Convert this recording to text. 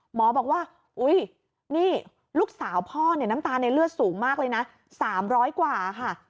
หมอบอกว่าลูกสาวพ่อน้ำตาลในเลือดสูงมากเลยนะ๓๐๐กว่าค่ะ